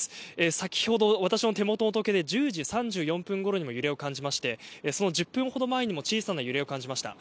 先ほど私の手元の時計で１０時３４分ごろにも揺れを感じましてその１０分ほど前にも小さな揺れを感じました。